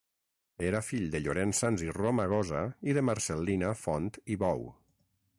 Era fill de Llorenç Sans i Romagosa i de Marcel·lina Font i Bou.